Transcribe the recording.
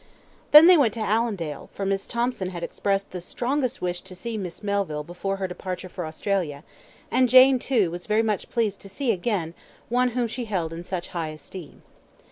Then they went to Allendale, for Miss Thomson had expressed the strongest wish to see Miss Melville before her departure for Australia, and Jane, too, was very much pleased to see again one whom she held in such high esteem.